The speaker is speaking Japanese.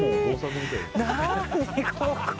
何、ここ！